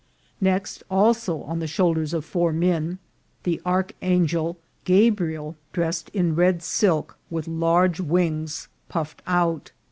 Next, also on the shoulders of four men, the archangel Gabriel, dressed in red silk, with large wings puffed out.